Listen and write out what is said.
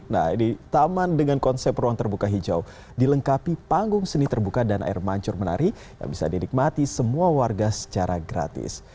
nah ini taman dengan konsep ruang terbuka hijau dilengkapi panggung seni terbuka dan air mancur menari yang bisa dinikmati semua warga secara gratis